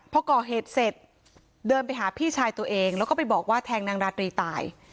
พอก่อเหตุเสร็จเดินไปหาพี่ชายตัวเองแล้วก็ไปบอกว่าแทงนางราตรีตาย